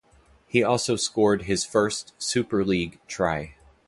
He also scored his first Super League try.